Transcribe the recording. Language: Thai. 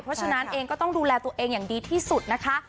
เพราะฉะนั้นเองก็ต้องดูแลตัวเองอย่างดีที่สุดนะคะ